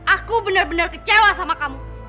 aku bener bener kecewa sama kamu